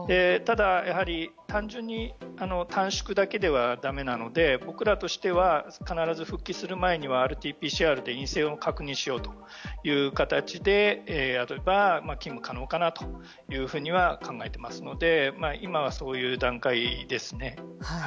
ただ、やはり単純に短縮だけではだめなので僕らとしては、必ず復帰させる前にはＰＣＲで陰性を確認しようという形でやれば勤務可能かなというふうには考えていますので今はそういう段階ですね。